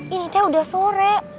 ini teh udah sore